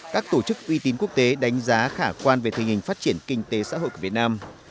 các tổ chức uy tín quốc tế đánh giá khả quan về tình hình phát triển kinh tế xã hội của việt nam